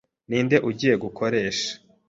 Ninde ugiye gukoresha?